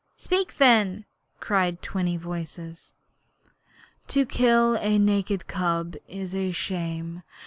'Speak then,' cried twenty voices. 'To kill a naked cub is shame.